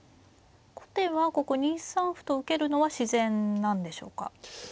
後手はここ２三歩と受けるのは自然なんでしょうか。